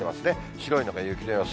白いのが雪の予想。